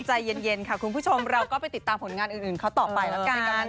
ใจเย็นค่ะคุณผู้ชมเราก็ไปติดตามผลงานอื่นเขาต่อไปแล้วกัน